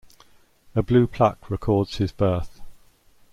A blue plaque records his birth.